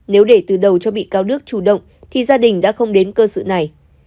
nếu để từ đầu cho bị cáo đức chủ động thì gia đình đã không đến cơ sở này